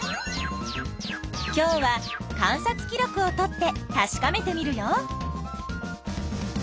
今日は観察記録をとってたしかめてみるよ。